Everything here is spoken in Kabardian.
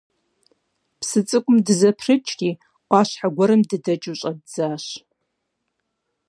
Псы цӀыкӀум дызэпрыкӀри, Ӏуащхьэ гуэрым дыдэкӀыу щӀэддзащ.